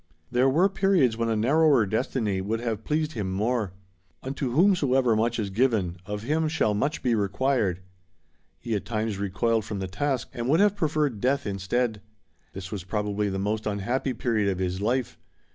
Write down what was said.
There were periods when a narrower destiny would have pleased him more. "Unto whomsoever much is given, of him shall much be required." He at times recoiled from the task, and would have preferred death instead. This was probably the most unhappy period of his life.